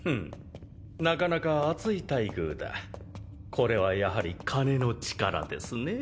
これはやはり金の力ですねぇ。